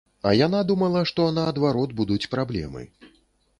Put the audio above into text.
А яна думала, што, наадварот, будуць праблемы.